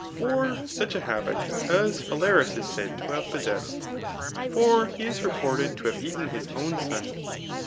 Or such a ha bit as Phalaris is said to have possessed, [for he is re* ported to have eaten his own son.